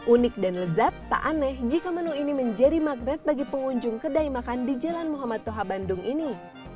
unik dan lezat tak aneh jika menu ini menjadi magnet bagi pengunjung kedai makan di jalan muhammad toha bandung ini